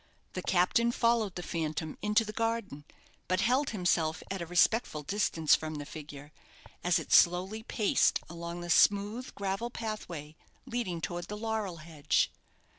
The captain followed the phantom into the garden; but held himself at a respectful distance from the figure, as it slowly paced along the smooth gravel pathway leading towards the laurel hedge.